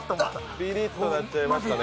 ビビッとなっちゃいましたね。